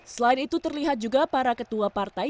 selain itu terlihat juga para ketua partai